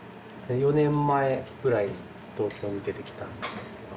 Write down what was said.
４年前ぐらいに東京に出てきたんですけど。